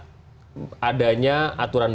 kalau dalam hukum tentu ada peraturan